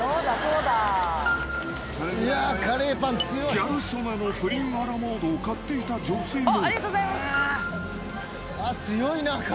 ギャル曽根のプリンアラモードを買っていた女性も。